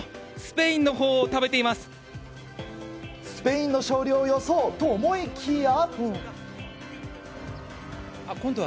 スペインの勝利を予想と思いきや。